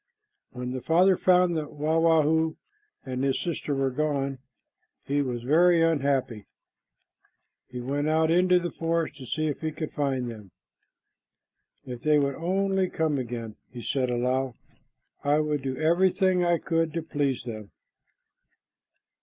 When the father found that Wah wah hoo and his sister were gone, he was very unhappy. He went out into the forest to see if he could find them. "If they would only come again," he said aloud, "I would do everything I could to please them."